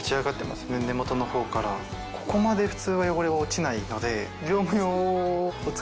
ここまで普通は汚れは落ちないので。